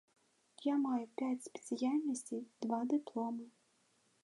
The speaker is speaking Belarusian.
Я маю пяць спецыяльнасцей, два дыпломы.